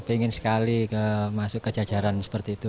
pengen sekali masuk ke jajaran seperti itu